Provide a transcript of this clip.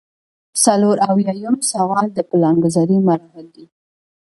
څلور اویایم سوال د پلانګذارۍ مراحل دي.